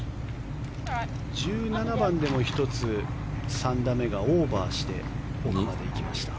１７番でも１つ、３打目がオーバーしていきました。